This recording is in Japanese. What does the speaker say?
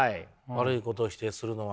悪いことを否定するのは。